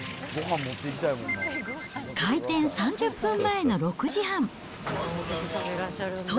開店３０分前の６時半。